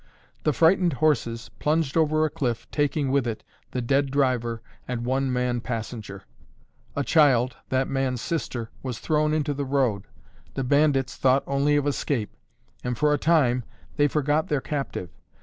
The frightened horses plunged over a cliff taking with it the dead driver and one man passenger. A child, that man's sister, was thrown into the road. The bandits thought only of escape, and, for a time, they forgot their captive.